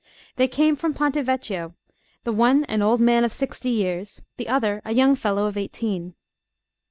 They came from Ponte Vecchio, the one an old man of sixty years, the other a young fellow of eighteen.